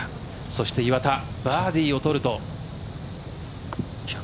そして岩田バーディーをとると。